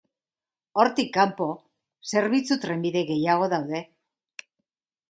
Hortik kanpo zerbitzu-trenbide gehiago daude.